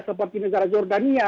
seperti negara jordania